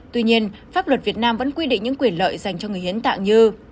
tuy nhiên pháp luật việt nam vẫn quy định những quyền lợi dành cho người hiến tạng như